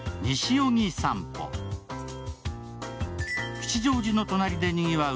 吉祥寺の隣でにぎわう